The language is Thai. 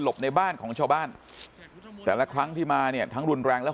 ในบ้านของชาวบ้านแต่ละครั้งที่มาเนี่ยทั้งรุนแรงและ